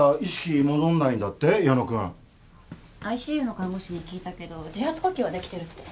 ＩＣＵの看護師に聞いたけど自発呼吸はできてるって。